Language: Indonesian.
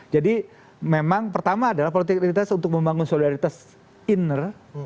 jadi memang pertama adalah politik identitas untuk membangun solidaritas inner